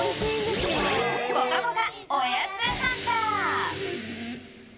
ぽかぽかおやつハンター。